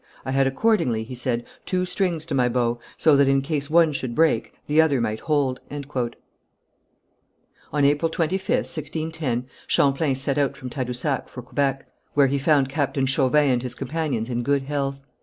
"I had accordingly," he said, "two strings to my bow, so that, in case one should break, the other might hold." On April 25th, 1610, Champlain set out from Tadousac for Quebec, where he found Captain Chauvin and his companions in good health.